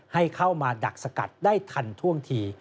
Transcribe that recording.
ให้เข้ามาดักสกัดได้ทันท่วงที